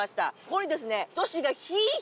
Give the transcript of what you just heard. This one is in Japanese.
ここにですね。